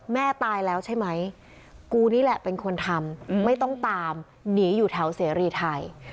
ตายแล้วใช่ไหมกูนี่แหละเป็นคนทำไม่ต้องตามหนีอยู่แถวเสรีไทย